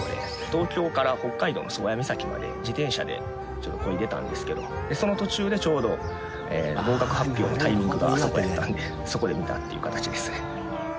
東京から北海道の宗谷岬まで自転車でこいでたんですけどその途中でちょうど合格発表のタイミングがあそこやったんでそこで見たっていう形ですね。